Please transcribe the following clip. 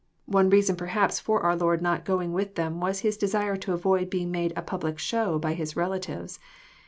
One reason perhaps for our Lord not going with them was His desire to avoid being made a public show by His relatives.